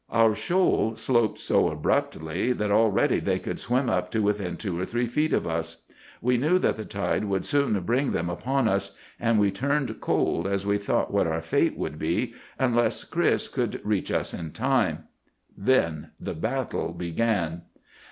Our shoal sloped so abruptly that already they could swim up to within two or three feet of us. We knew that the tide would soon bring them upon us, and we turned cold as we thought what our fate would be unless Chris could reach us in time. Then the battle began.